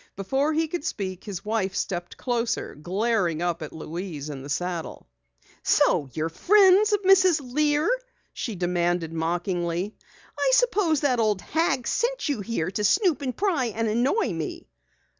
Before he could speak, his wife stepped closer, glaring up at Louise in the saddle. "So you're friends of Mrs. Lear?" she demanded mockingly. "I suppose that old hag sent you here to snoop and pry and annoy me!"